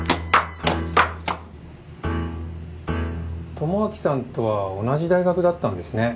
智明さんとは同じ大学だったんですね。